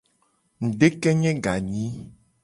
Ngudekenye ganyi.